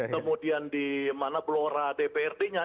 kemudian di mana blora dprd nya